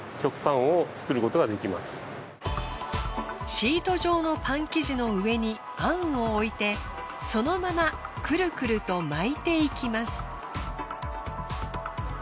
シート状のパン生地の上にあんを置いてそのままくるくると巻いていきます。